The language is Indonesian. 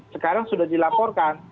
sekarang sudah dilaporkan